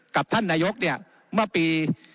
กับท่านนายกเนี่ยเมื่อปี๒๕๖